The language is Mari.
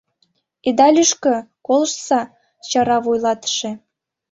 — Ида лӱшкӧ, колыштса, — чара вуйлатыше.